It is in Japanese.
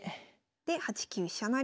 で８九飛車成。